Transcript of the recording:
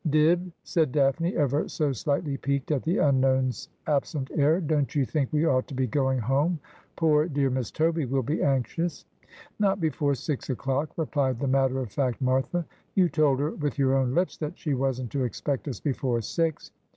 ' Dibb,' said Daphne, ever so slightly piqued at the unknown's absent air, ' don't you think we ought to be going home ? Poor dear Miss Toby will be anxious.' ' Not before six o'clock,' replied the matter of fact Martha. ' You told her with your own lips that she wasn't to expect us before six.